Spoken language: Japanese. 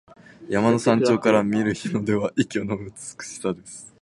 山の頂上から見る日の出は息をのむ美しさです。